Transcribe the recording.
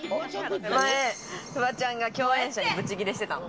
前、フワちゃんが共演者にブチギレしてたの。